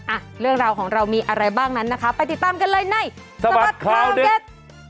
อ่ะเรื่องราวของเรามีอะไรบ้างนั้นนะคะไปติดตามกันเลยในสบัดข่าวเด็ด